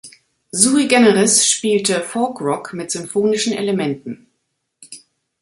Sui Generis spielte Folkrock mit symphonischen Elementen.